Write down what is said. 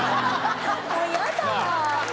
もうやだ。